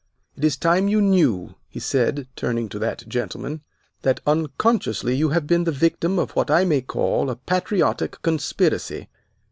It is time you knew," he said, turning to that gentleman, "that unconsciously you have been the victim of what I may call a patriotic conspiracy.